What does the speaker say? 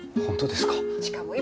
本当ですか？